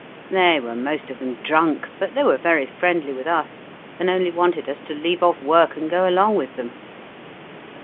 They were most of them drunk, but they were very friendly with us, and only wanted us to leave off work and go along with them.